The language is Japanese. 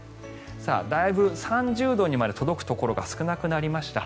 だいぶ３０度にまで届くところが少なくなりました。